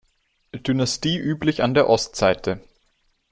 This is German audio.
Dynastie üblich an der Ostseite.